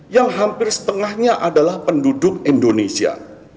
yang hampir setengahnya adalah penduduk indonesia